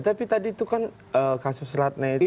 tapi tadi itu kan kasus ratna itu